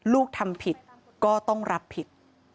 ลูกทำผิดก็ต้องรับผิด